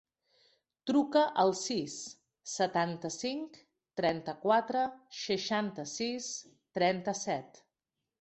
Truca al sis, setanta-cinc, trenta-quatre, seixanta-sis, trenta-set.